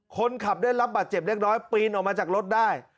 คนขับได้รับบาดเจ็บเล็กน้อยปีนออกมาจากรถได้